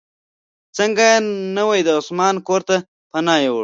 ځکه یې نو د عثمان کورته پناه یووړه.